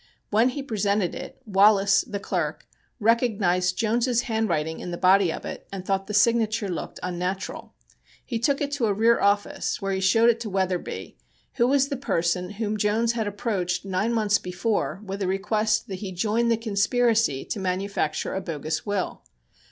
When he presented it, Wallace, the clerk, recognized Jones's handwriting in the body of it, and thought the signature looked unnatural. He took it to a rear office, where he showed it to Wetherbee, who was the person whom Jones had approached nine months before with a request that he join the conspiracy to manufacture a bogus will.